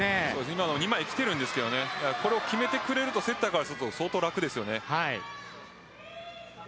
今は２枚きていますがこれを決めてくれるとセッターからすると相当楽ですよね。